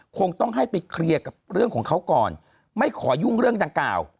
คงต้องให้ไปเคลียร์กับเรื่องของเขาก่อนไม่ขอยุ่งเรื่องดังกล่าว